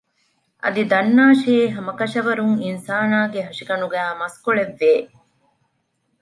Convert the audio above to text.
އަދި ދަންނާށޭ ހަމަކަށަވަރުން އިންސާނާގެ ހަށިގަނޑުގައި މަސްކޮޅެއް ވޭ